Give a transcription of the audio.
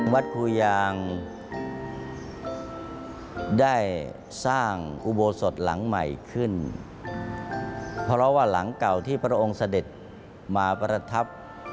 วัดภูยางได้สร้างอุโบสถหลังใหม่ขึ้นเพราะว่าหลังเก่าที่พระองค์เสด็จมาประทับ